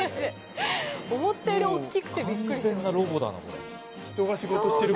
思ったより大きくてびっくりしました。